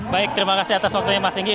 baik terima kasih atas waktunya mas enggi